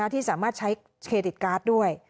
ที่สามารถใช้เครดิตการ์ดด้วย